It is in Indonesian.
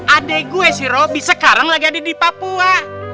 ade gue si robi sekarang lagi ada di papua